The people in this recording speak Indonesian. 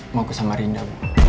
mau ke samarinda